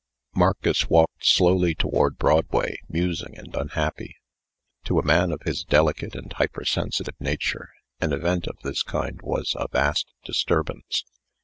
Marcus walked slowly toward Broadway, musing and unhappy. To a man of his delicate and hyper sensitive nature, an event of this kind was a vast disturbance.